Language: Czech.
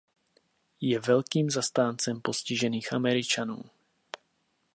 Je velkým zastáncem postižených Američanů.